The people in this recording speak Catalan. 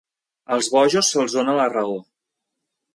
Als bojos se'ls dóna la raó.